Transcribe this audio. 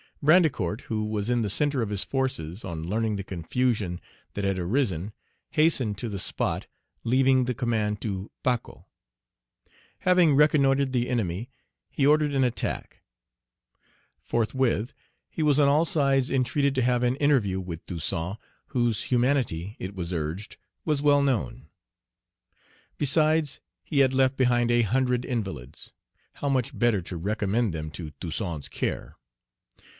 Brandicourt, who was in the centre of his forces, on learning the confusion that had arisen, hastened to the spot, leaving the command to Pacot. Having reconnoitred the enemy, he ordered an attack. Forthwith, he was on all sides entreated to have an interview with Toussaint, whose humanity, it was urged, was well known. Besides, he had left behind a hundred invalids, how much better to recommend them to Toussaint's care!